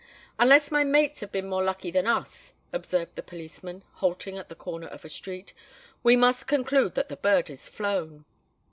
"Unless my mates have been more lucky than us," observed the policeman, halting at the corner of a street, "we must conclude that the bird is flown."